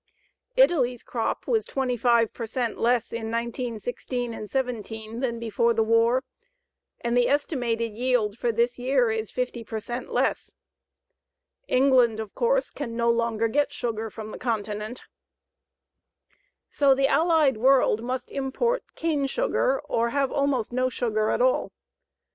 Italy's crop was 25 per cent less in 1916 17 than before the war and the estimated yield for this year is 50 per cent less. England, of course, can no longer get sugar from the continent. So the allied world must import cane sugar or have almost no sugar at all.